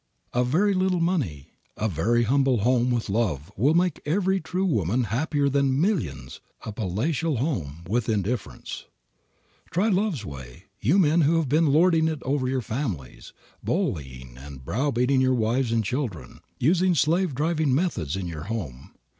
A very little money, a very humble home with love will make every true woman happier than millions, a palatial home, with indifference. Try love's way, you men who have been lording it over your families, bullying and brow beating your wives and children, using slave driving methods in your home.